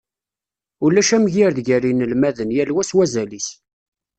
Ulac amgired gar yinelmaden, yal wa s wazal-is.